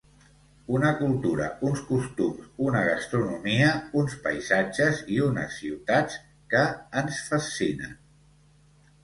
Una cultura, uns costums, una gastronomia, uns paisatges i unes ciutats que ens fascinen.